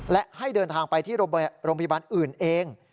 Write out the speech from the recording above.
และให้เดินทางไปที่โรงพยาบาลอื่นเอง